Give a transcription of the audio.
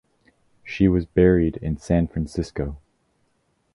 She was buried in San Francisco.